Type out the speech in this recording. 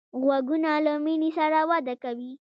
غوږونه له مینې سره وده کوي